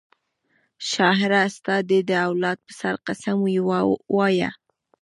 شاعره ستا دي د اولاد په سر قسم وي وایه